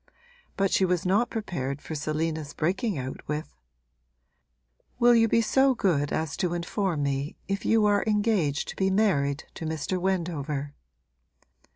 But she was not prepared for Selina's breaking out with: 'Will you be so good as to inform me if you are engaged to be married to Mr. Wendover?'